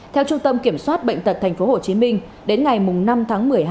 theo trung tâm kiểm soát bệnh tật tp hcm đến ngày năm tháng một mươi hai